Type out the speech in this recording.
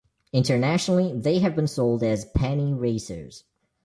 Internationally, they have been sold as "Penny Racers".